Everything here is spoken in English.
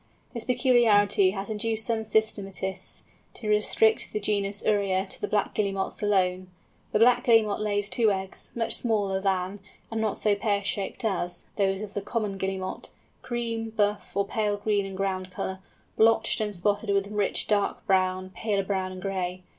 This peculiarity has induced some systematists to restrict the genus Uria to the Black Guillemots alone. The Black Guillemot lays two eggs, much smaller than, and not so pear shaped as, those of the Common Guillemot, cream, buff, or pale green in ground colour, blotched and spotted with rich dark brown, paler brown, and gray.